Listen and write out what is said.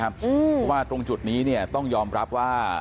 เพราะว่าตรงจุดนี้ต้องยอมรับว่า